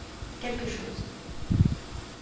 Quelque chose.